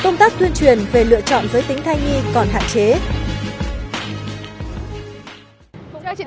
nguyên nhân thứ tư